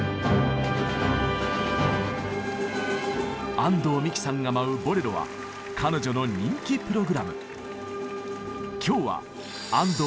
安藤美姫さんが舞う「ボレロ」は彼女の人気プログラム。